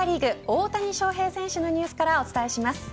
大谷翔平選手のニュースからお伝えします。